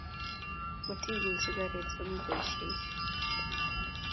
Matigul sigaret yomi boisiet